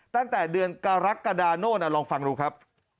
ตั้งแต่เดือนกรกฎาโน่นลองฟังดูครับ